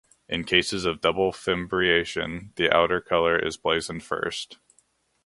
In cases of double fimbriation the outer colour is blazoned first.